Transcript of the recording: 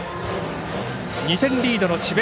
２点リードの智弁